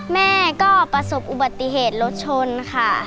แม่ก็ประสบอุบัติเหตุรถชนค่ะ